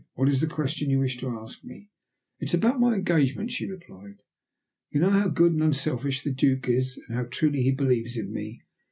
"What is the question you wish to ask me?" "It is about my engagement," she replied. "You know how good and unselfish the Duke is, and how truly he believes in me.